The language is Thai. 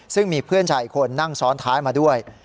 ซึ่งมีเพื่อนชายอีกคนนั่งซ้อนท้ายมาด้วย